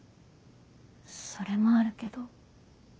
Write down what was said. それもあるけど。